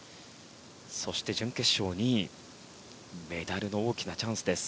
そして準決勝２位メダルの大きなチャンスです